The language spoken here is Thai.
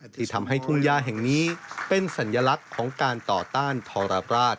ที่ทำให้ทุ่งย่าแห่งนี้เป็นสัญลักษณ์ของการต่อต้านทรราช